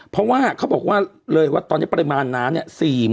เพราะว่าเขาบอกว่าเลยว่าตอนนี้ปริมาณน้ำเนี่ย